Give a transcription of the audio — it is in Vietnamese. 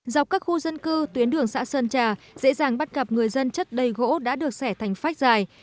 dọc các khu dân cư tuyến đường xã sơn trà dễ dàng bắt gặp người dân chất đầy gỗ đã được xẻ thành phách dài